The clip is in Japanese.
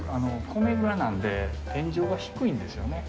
米蔵なんで、天井が低いんですよね。